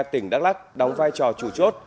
tỉnh đắk lắc đóng vai trò chủ chốt